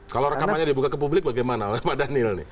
kalau rekamannya dibuka ke publik bagaimana pak daniel